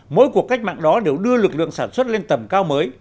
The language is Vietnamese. mỗi cuộc cách mạng đó đều đưa lực lượng sản xuất lên tầm cao mới